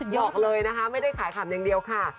บอกเลยนะคะไม่ได้ขายขำอย่างเดียวค่ะ